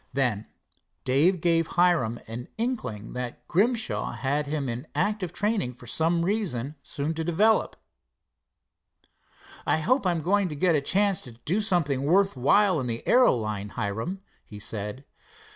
Then Dave gave Hiram an inkling that Grimshaw had him in active training for some reason soon to develop. "I hope I'm going to get a chance to do something worth while in the aero line, Hiram," he said.